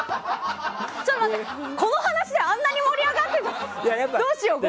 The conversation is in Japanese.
ちょっと待って、この話であんなに盛り上がってたの！